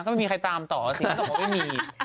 ก็ไม่มีใครตามต่อสิ